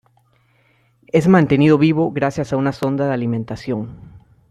Es mantenido vivo gracias a una sonda de alimentación.